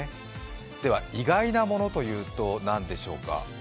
では、意外なものというと何でしょうか？